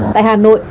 tại hà nội